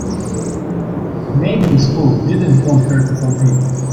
Maybe the school didn't want her to compete.